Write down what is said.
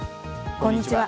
こんにちは。